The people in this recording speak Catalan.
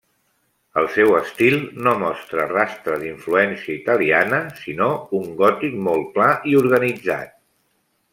El seu estil no mostra rastre d'influència italiana, sinó un gòtic molt clar i organitzat.